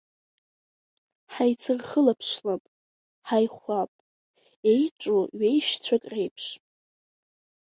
Ҳаицырхылаԥшлап, ҳаихәап, еиҿу ҩеишьцәак реиԥш.